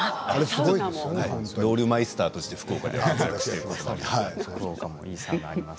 ロウリュマイスターとして福岡ではやっています。